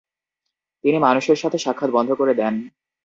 তিনি মানুষের সাথে সাক্ষাৎ বন্ধ করে দেন।